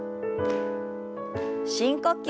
深呼吸。